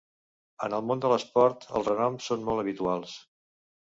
En el món de l'esport els renoms són molt habituals.